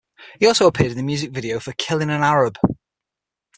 He also appeared in the music video for "Killing an Arab".